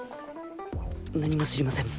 何も知りません。